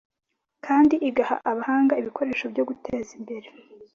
kandi igaha abahanga ibikoresho byo guteza imbere